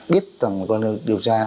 biết cơ quan điều tra